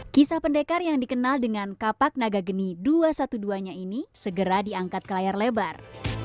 kisah pendekar yang dikenal dengan kapak nagageni dua ratus dua belas nya ini segera diangkat ke layar lebar